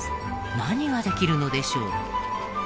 何ができるのでしょう？